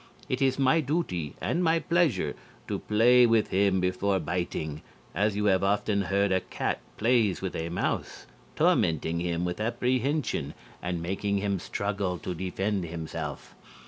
It is my duty, and my pleasure, to play with him before biting, as you have often heard a cat plays with a mouse, tormenting him with apprehension and making him struggle to defend himself....